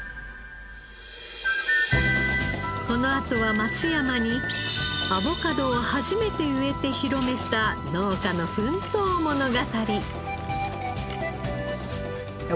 このあとは松山にアボカドを初めて植えて広めた農家の奮闘物語。